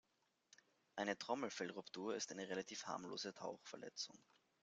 Eine Trommelfellruptur ist eine relativ harmlose Tauchverletzung.